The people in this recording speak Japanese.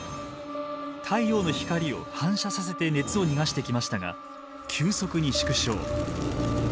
太陽の光を反射させて熱を逃がしてきましたが急速に縮小。